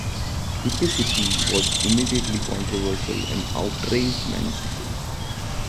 Hippy Sippy was immediately controversial and outraged many people.